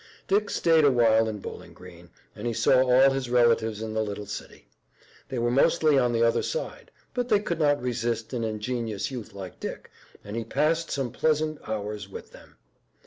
Dick stayed a while in Bowling Green, and he saw all his relatives in the little city. They were mostly on the other side, but they could not resist an ingenuous youth like Dick, and he passed some pleasant hours with them.